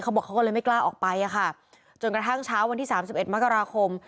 เขาบอกเขาก็เลยไม่กล้าออกไปอะค่ะจนกระทั่งเช้าวันที่๓๑มกราคม